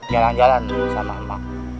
jalan jalan sama emak